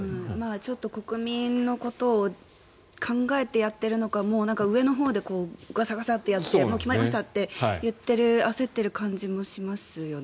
ちょっと国民のことを考えてやっているのか上のほうでガサガサとやって決まりましたって言って焦っている感じもしますよね。